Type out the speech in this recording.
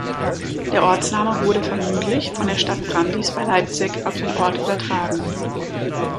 Der Ortsname wurde vermutlich von der Stadt Brandis bei Leipzig auf den Ort übertragen.